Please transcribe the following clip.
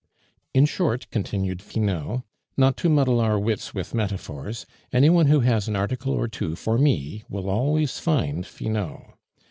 "In short," continued Finot, "not to muddle our wits with metaphors, any one who has an article or two for me will always find Finot.